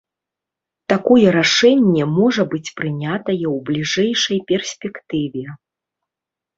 Такое рашэнне можа быць прынятае ў бліжэйшай перспектыве.